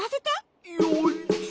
よいしょ。